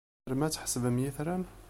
Tzemrem ad tḥesbem itran?